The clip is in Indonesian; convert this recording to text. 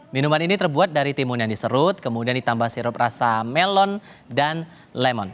minuman ini terbuat dari timun yang diserut kemudian ditambah sirup rasa melon dan lemon